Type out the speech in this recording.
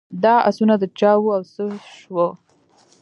دا آسونه د چا وه او څه سوه.